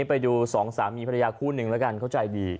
ไปดูสองสามีภรรยาคู่หนึ่งแล้วกันเขาใจดี